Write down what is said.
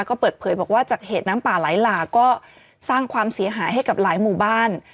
ก็เปิดเผยบอกว่าจากเหตุน้ำป่าไหลหลากก็สร้างความเสียหายให้กับหลายหมู่บ้าน